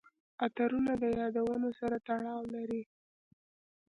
عطرونه د یادونو سره تړاو لري.